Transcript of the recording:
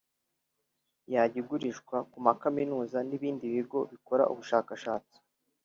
yajya igurishwa ku makaminuza n’ibindi bigo bikora ubushakashatsi